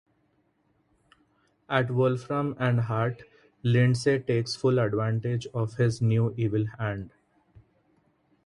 At Wolfram and Hart, Lindsey takes full advantage of his new "evil" hand.